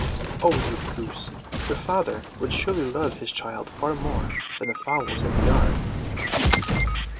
"Oh, you goose, your father would surely love his child far more than the fowls in the yard!"